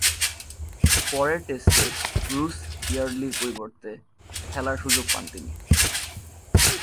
পরের টেস্টে ব্রুস ইয়ার্ডলি’র পরিবর্তে খেলার সুযোগ পান তিনি।